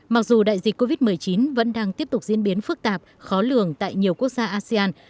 mặc dù đại dịch covid một mươi chín vẫn đang tiếp tục diễn biến phức tạp khó lường tại nhiều quốc gia asean